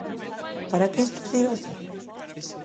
Para que isto siga así?